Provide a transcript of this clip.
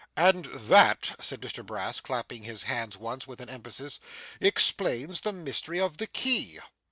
'And that,' said Mr Brass, clapping his hands once, with an emphasis, 'explains the mystery of the key!